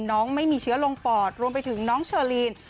ไม่มีเชื้อลงปอดรวมไปถึงน้องเชอลีน